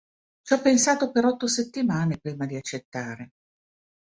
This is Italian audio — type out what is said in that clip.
Ci ho pensato per otto settimane prima di accettare.